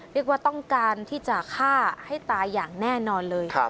เรียกว่าต้องการที่จะฆ่าให้ตายอย่างแน่นอนเลย